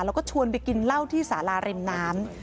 แล้วก็ชวนไปกินเหล้าที่สาราริมน้ำ